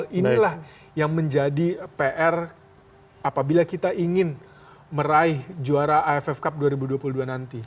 nah inilah yang menjadi pr apabila kita ingin meraih juara aff cup dua ribu dua puluh dua nanti